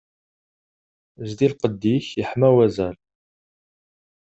Zdi lqedd-ik yeḥma wazal.